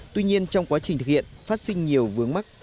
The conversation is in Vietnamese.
tuy nhiên trong quá trình thực hiện phát sinh nhiều vướng mắt